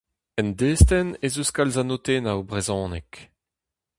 En destenn ez eus kalz a notennoù brezhonek.